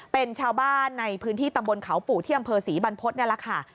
เป็นชาวบ้านในพื้นที่ตำบลเขาปู่ที่อำเภอศรีบรรพฤษนี่แหละค่ะ